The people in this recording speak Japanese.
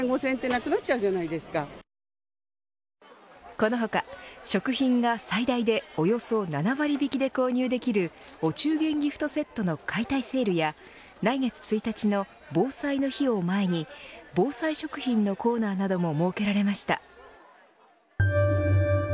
この他、食品が最大でおよそ７割引きで購入できるお中元ギフトセットの解体セールや来日１日の防災の日を前に防災食品のコーナーなども設けられました。